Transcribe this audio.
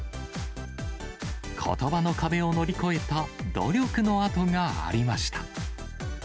ことばの壁を乗り越えた努力の跡がありました。